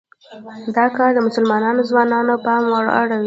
دا کار د مسلمانو ځوانانو پام واړوي.